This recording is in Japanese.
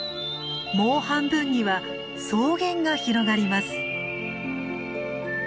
もう半分には草原が広がります。